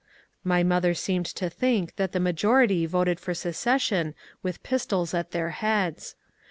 My mother seemed to think that the majority voted for secession with pistols at their heads.